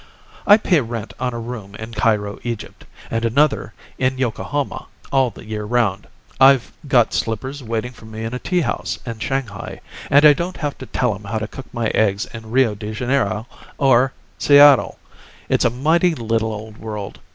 I pay rent on a room in Cairo, Egypt, and another in Yokohama all the year around. I've got slippers waiting for me in a tea house in Shanghai, and I don't have to tell 'em how to cook my eggs in Rio de Janeiro or Seattle. It's a mighty little old world.